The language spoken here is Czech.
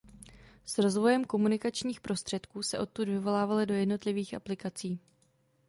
S rozvojem komunikačních prostředků se odtud vyvolávaly do jednotlivých aplikací.